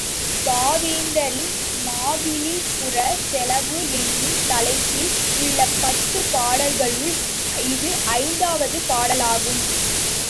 பாவேந்தரின் மாவலி புரச் செலவு என்னும் தலைப்பில் உள்ள பத்துப் பாடல்களுள் இது ஐந்தாவது பாடலாகும்.